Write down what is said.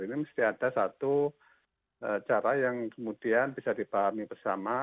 ini mesti ada satu cara yang kemudian bisa dipahami bersama